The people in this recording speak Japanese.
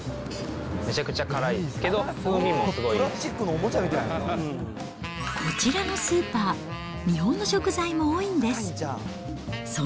めちゃくちゃ辛いけど、こちらのスーパー、日本の食材も多いんです。